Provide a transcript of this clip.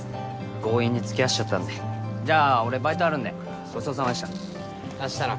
強引に付き合わせちゃったんでじゃあ俺バイトあるんでごちそうさまでした明日な